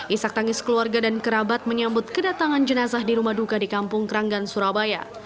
isak tangis keluarga dan kerabat menyambut kedatangan jenazah di rumah duka di kampung keranggan surabaya